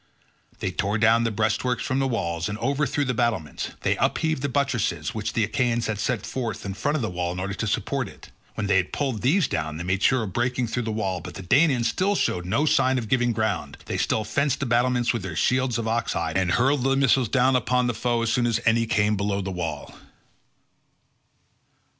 They tore down the breastworks from the walls, and overthrew the battlements; they upheaved the buttresses, which the Achaeans had set in front of the wall in order to support it; when they had pulled these down they made sure of breaking through the wall, but the Danaans still showed no sign of giving ground; they still fenced the battlements with their shields of ox hide, and hurled their missiles down upon the foe as soon as any came below the wall.